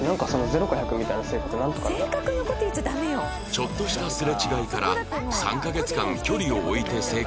ちょっとしたすれ違いから３カ月間距離を置いて生活している